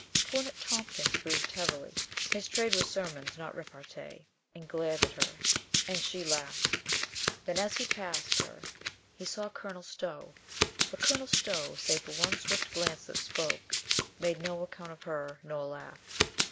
Cornet Tompkins breathed heavily — his trade was sermons, not repartee — and glared at her, and she CONCERNING THE ANGEL URIEL 83 laughed. Then, as he passed her, she saw Colonel Stow. But Colonel Stow, save for one swift glance that spoke, made no account of her, nor laughed.